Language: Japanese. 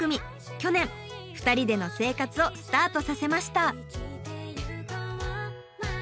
去年２人での生活をスタートさせました。